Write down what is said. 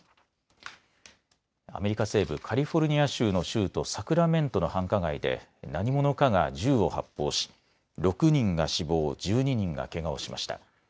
アメリカ西部、カリフォルニア州の州都、サクラメントの繁華街で何者かが銃を発砲し６人が死亡、１２人がけがをしました。